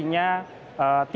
bahwa setelah nanti